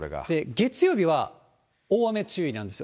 月曜日は大雨注意なんですよ。